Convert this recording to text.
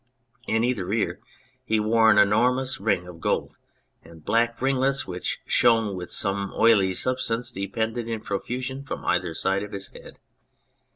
In either ear he wore an enormous ring of gold, and black ringlets which shone with some oily substance depended in profusion from either side of his head.